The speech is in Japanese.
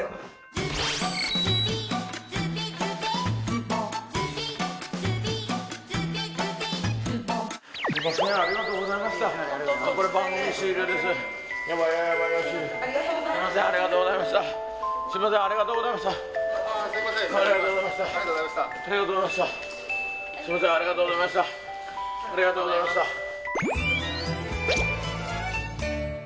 すみませんありがとうございました。